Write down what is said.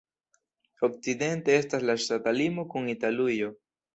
Okcidente estas la ŝtata limo kun Italujo.